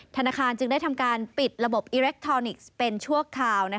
ธนาคารจึงได้ทำการปิดระบบอิเล็กทรอนิกส์เป็นชั่วคราว